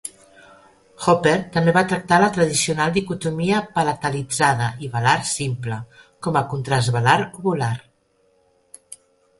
Hopper també va tractar la tradicional dicotomia palatalitzada i velar simple com a contrast velar-uvular.